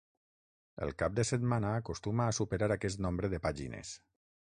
El cap de setmana acostuma a superar aquest nombre de pàgines.